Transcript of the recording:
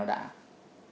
mọi sự đã rồi